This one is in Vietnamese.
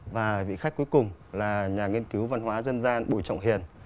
và vị khách cuối cùng là nhà nghiên cứu văn hóa dân gian bùi trọng hiền